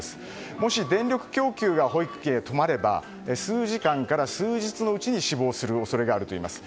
もし、電力供給が保育器へ止まれば数時間から数日のうちに死亡する恐れがあるといいます。